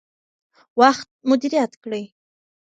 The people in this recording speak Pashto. وخت مدیریت کړئ.